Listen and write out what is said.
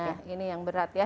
nah ini yang berat ya